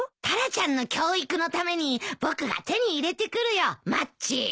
タラちゃんの教育のために僕が手に入れてくるよマッチ。